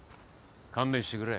勘弁してくれ。